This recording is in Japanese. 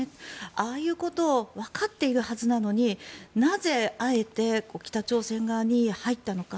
ああいうことをわかっているはずなのになぜ、あえて北朝鮮側に入ったのか。